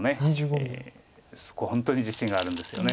そこは本当に自信があるんですよね。